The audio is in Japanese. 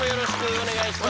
お願いします。